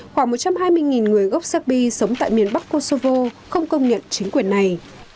khoảng một trăm hai mươi người gốc serbi sống tại miền bắc kosovo không công nhận chính quyền này